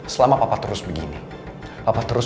selama papa terus begini bapak terus